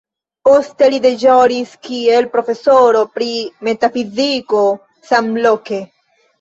Poste li deĵoris kiel profesoro pri metafiziko samloke.